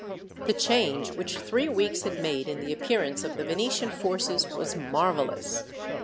The change which three weeks had made in the appearance of the Venetian forces was marvellous.